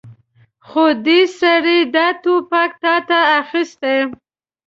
خو دې سړي دا ټوپک تاته اخيستل.